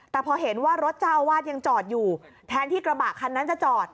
แต่พอเห็นว่ารถเจ้าอาวาสยังจอดอยู่แทนที่กระบะคันนั้นจะจอด